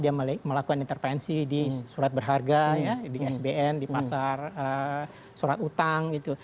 dia melakukan intervensi di surat berharga di sbn di pasar surat utang gitu